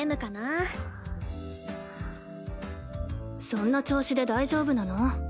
そんな調子で大丈夫なの？